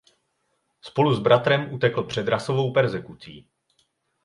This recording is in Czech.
Spolu s bratrem utekl před rasovou perzekucí.